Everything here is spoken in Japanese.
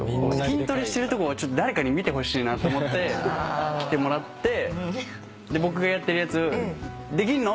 筋トレしてるとこを誰かに見てほしいなと思って来てもらってで僕がやってるやつできんの？